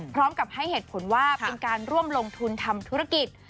พร้อมกับให้เหตุผลว่าเป็นการร่วมลงทุนทำธุรกิจ